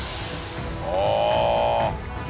ああ。